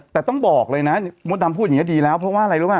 แต่ต้องบอกเลยนะมดดำพูดอย่างนี้ดีแล้วเพราะว่าอะไรรู้ป่